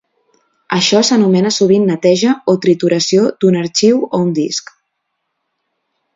Això s'anomena sovint neteja o trituració d'un arxiu o un disc.